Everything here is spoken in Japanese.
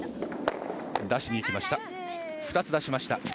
２つ出しました。